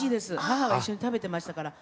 母が一緒に食べてましたから。